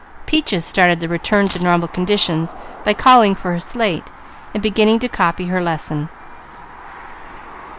Peaches started the return to normal conditions by calling for her slate, and beginning to copy her lesson.